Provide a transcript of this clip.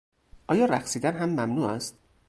آیا رقصیدن هم ممنوع است؟